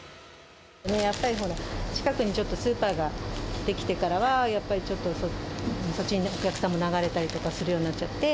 やっぱりほら、近くにちょっとスーパーが出来てからは、やっぱりちょっと、そっちにお客さんも流れたりとかするようになっちゃって。